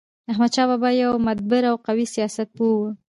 احمدشاه بابا يو مدبر او قوي سیاست پوه و.